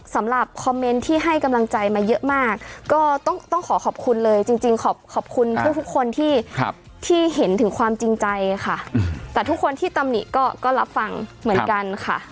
สำหรับคอมเมนต์ที่ให้กำลังใจมาเยอะมากก็ต้องขอขอบคุณเลยจริงขอบคุณทุกคนที่เห็นถึงความจริงใจค่ะแต่ทุกคนที่ตำหนิก็รับฟังเหมือนกันค่ะ